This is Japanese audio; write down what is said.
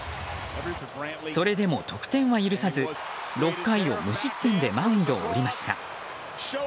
それでも得点は許さず６回を無失点でマウンドを降りました。